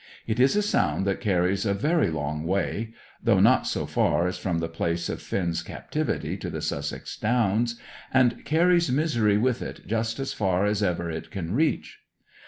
It is a sound that carries a very long way though not so far as from the place of Finn's captivity to the Sussex Downs and carries misery with it just as far as ever it can reach.